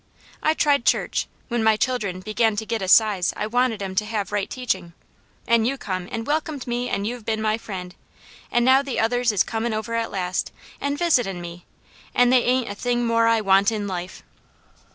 I tried church, when my children began to git a size I wanted 'em to have right teachin', an' you come an' welcomed me an' you been my friend, an' now the others is comin' over at last, an' visitin' me, an' they ain't a thing more I want in life."